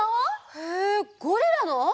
へえゴリラの！？